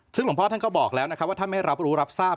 ซึ่งหลวงพ่อท่านก็บอกแล้วนะครับว่าท่านไม่รับรู้รับทราบ